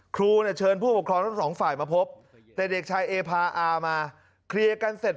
ครูเนี่ยเชิญผู้ปกครองทั้งสองฝ่ายมาพบแต่เด็กชายเอพาอามาเคลียร์กันเสร็จ